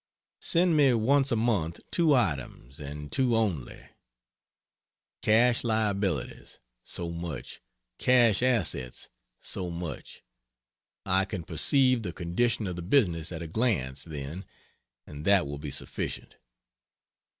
Send me once a month two items, and two only: Cash liabilities (so much) Cash assets (so much) I can perceive the condition of the business at a glance, then, and that will be sufficient.